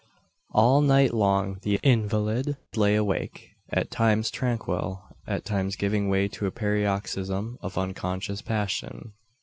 All night long the invalid lay awake; at times tranquil, at times giving way to a paroxysm of unconscious passion.